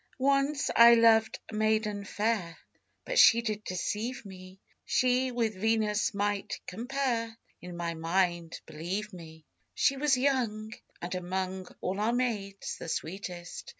Once I lov'd a maiden fair, But she did deceive me; She with Venus might compare, In my mind, believe me: She was young, and among All our maids the sweetest.